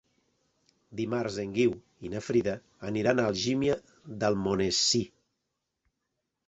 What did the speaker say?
Dimarts en Guiu i na Frida aniran a Algímia d'Almonesir.